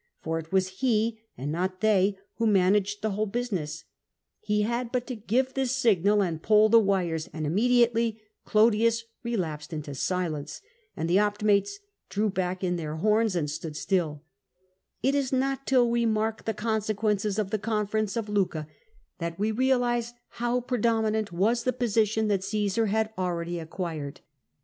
For it was he, and not they, who managed the whole busi ness ; he had but to give the signal and pull the wires, and immediately Clodius relapsed into silence, and the Optimates drew in their horns and stood still It is not till we mark the consequences of the conference of Lucca that we realise how predominant was the position that Csesar had already acquired.